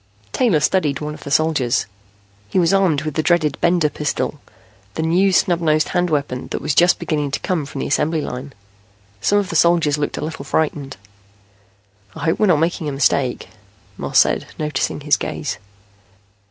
Taylor studied one of the soldiers. He was armed with the dreaded Bender pistol, the new snub nosed hand weapon that was just beginning to come from the assembly line. Some of the soldiers looked a little frightened. "I hope we're not making a mistake," Moss said, noticing his gaze.